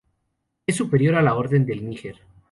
Es superior a la Orden del Níger.